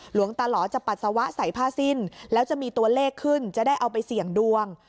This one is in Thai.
หลวงตาหล่อจะปัสสาวะใส่ผ้าสิ้นแล้วจะมีตัวเลขขึ้นจะได้เอาไปเสี่ยงดวง